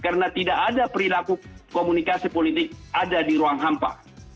karena tidak ada perilaku komunikasi politik ada di ruang hampa